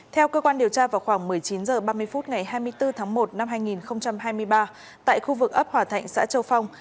theo cơ quan điều tra vào khoảng một mươi chín h ba mươi phút ngày hai mươi bốn tháng một năm hai nghìn hai mươi ba tại khu vực ấp hòa thạnh xã châu phong